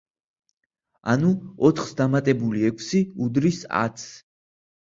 ანუ ოთხს დამატებული ექვსი უდრის ათს.